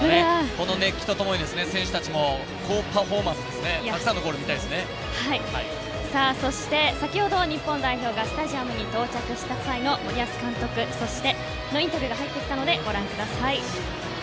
この熱気とともに選手たちも高パフォーマンスたくさんのゴールそして先ほど日本代表がスタジアムに到着した際の森保監督そしてインタビューが入ってきたので、ご覧ください。